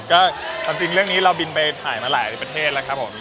ก็ความจริงเรื่องนี้เราบินไปถ่ายมาหลายประเทศแล้วครับผม